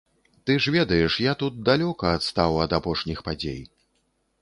Ты ж ведаеш, я тут далёка адстаў ад апошніх падзей.